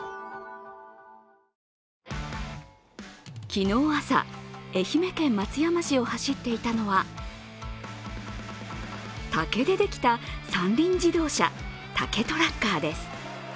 昨日朝、愛媛県松山市を走っていたのは竹でできた三輪自動車竹トラッカーです。